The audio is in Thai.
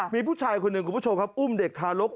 มีผู้ชายคนหนึ่งคุณผู้ชมครับอุ้มเด็กทารก